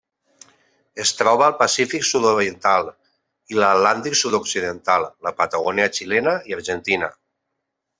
Es troba al Pacífic sud-oriental i l'Atlàntic sud-occidental: la Patagònia xilena i argentina.